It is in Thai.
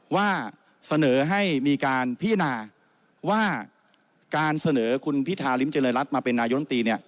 ว่าเสนอให้มีการพินาว่าการเสนอคุณพิธาริมเจริญรัฐมาเป็นนายรมตี